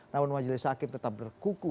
namun majelis hakim tetap berkuku